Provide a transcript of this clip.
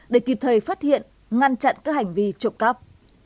để kịp thời phát hiện ngăn chặn các hành vi trộm cắp